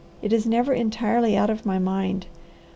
It is never entirely out of my mind.